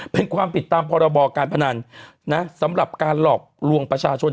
เป็นความผิดตามพรบการพนันนะสำหรับการหลอกลวงประชาชน